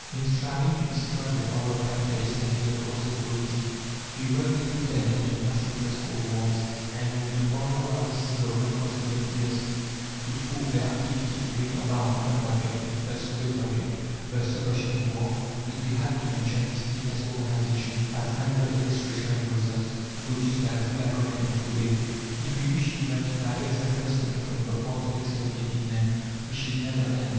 In striving to destroy the power of capitalist and middle class authority, we work to put an end to the massacres called wars, and we would far rather see the Red Cross volunteers put forth their activity to bring about (with us) the suppression of war; but we had to mention this immense organization as another illustration of results produced by free agreement and free aid. If we wished to multiply examples taken from the art of exterminating men we should never end.